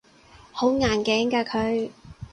好硬頸㗎佢